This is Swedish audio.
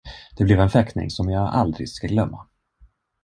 Det blev en fäktning, som jag aldrig skall glömma.